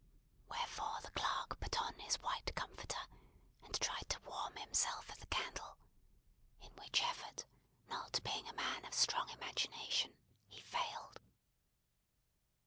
Wherefore the clerk put on his white comforter, and tried to warm himself at the candle; in which effort, not being a man of a strong imagination, he failed.